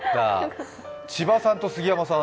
千葉さんと杉山さん。